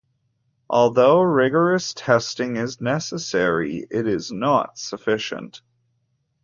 Although rigorous testing is necessary, it is not sufficient.